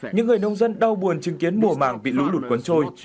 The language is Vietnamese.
những người nông dân đau buồn chứng kiến mùa màng bị lũ lụt quấn trôi